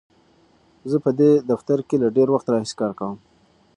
زه په دې دفتر کې له ډېر وخت راهیسې کار کوم.